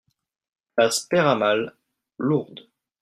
Place Peyramale, Lourdes